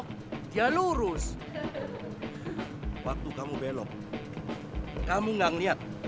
kalau ada waktu kham sujet saling berjalan